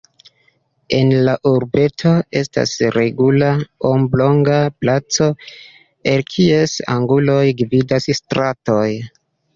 En la urbeto estas regula oblonga placo, el kies anguloj gvidas stratoj.